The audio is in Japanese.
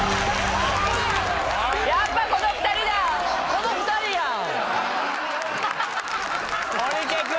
この２人やん。